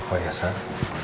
oh ya sayang